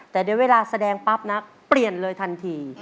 แต่เดี๋ยวเวลาแสดงปั๊บนะเปลี่ยนเลยทันที